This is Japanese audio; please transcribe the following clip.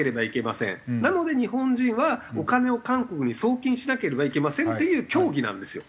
なので日本人はお金を韓国に送金しなければいけませんっていう教義なんですよ。